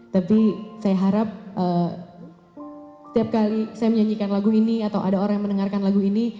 tapi saya harap setiap kali saya menyanyikan lagu ini atau ada orang yang mendengarkan lagu ini